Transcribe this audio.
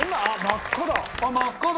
真っ赤だよ。